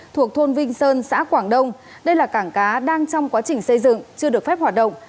thuộc thôn vinh sơn xã quảng đông đây là cảng cá đang trong quá trình xây dựng chưa được phép hoạt động